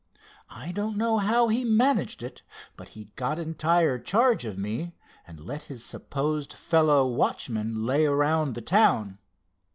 I don't know how he managed it, but he got entire charge of me, and let his supposed fellow watchman lay around the town.